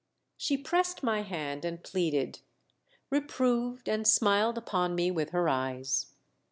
She pressed my hand and pleaded, reproved and smiled upon me with her eyes.